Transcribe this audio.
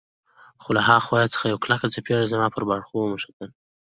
خو له ها خوا څخه یوه کلکه څپېړه زما پر باړخو ونښتله.